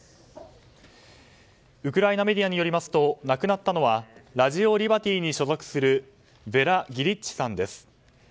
ウクライナメディアによりますと亡くなったのはラジオ・リバティーに所属するヴェラ・ギリッチさんです。